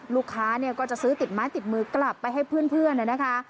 ลูกค้าเนี่ยก็จะซื้อติดไม้ติดมือกลับไปให้เพื่อนนะคะ